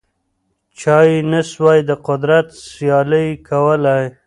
چا یې نه سوای د قدرت سیالي کولای